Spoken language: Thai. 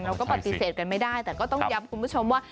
เราก็ปฏิเสธกันไม่ได้แต่ก็ต้องย้ำคุณผู้ชมว่า